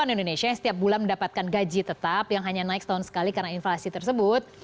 karena indonesia yang setiap bulan mendapatkan gaji tetap yang hanya naik setahun sekali karena inflasi tersebut